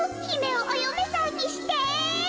ひめをおよめさんにして。